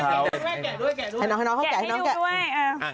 ให้น้องเขาแกะให้น้องแกะอันนี้เป็นบุร้าหกมั้งงั้นเนี่ยก็ดูด้วย์อาวุธ